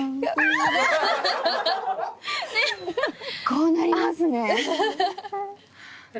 こうなりますね。